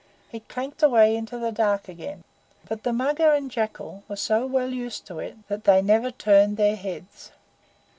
It clanked away into the dark again; but the Mugger and the Jackal were so well used to it that they never turned their heads.